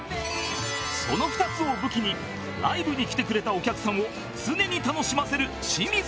その２つを武器にライブに来てくれたお客さんを常に楽しませる清水ミチコ